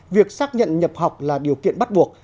việc xác nhận nhập học là điều kiện bắt buộc